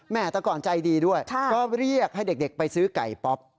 แต่ก่อนใจดีด้วยก็เรียกให้เด็กไปซื้อไก่ป๊อป